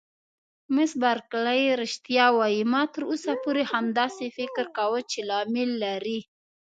مس بارکلي: رښتیا وایې؟ ما تر اوسه پورې همداسې فکر کاوه چې لامل لري.